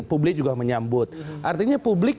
publik juga menyambut artinya publik